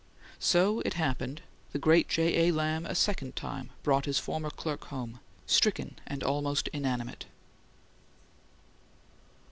So, it happened, the great J. A. Lamb a second time brought his former clerk home, stricken and almost inanimate.